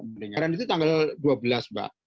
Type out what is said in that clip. pendengaran itu tanggal dua belas mbak